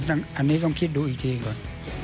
อันนี้ต้องคิดดูอีกทีก่อน